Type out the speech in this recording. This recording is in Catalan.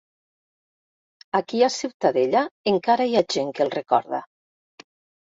Aquí a Ciutadella encara hi ha gent que el recorda.